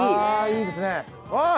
ああいいですね。